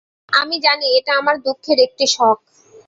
আমি জানি এটা আমার দুঃখের একটি শখ।